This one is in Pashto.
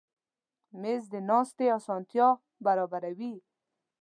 مېز د ناستې اسانتیا برابروي.